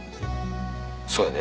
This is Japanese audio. そうやで。